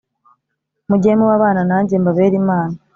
mujye muba abana nanjye mbabere Imana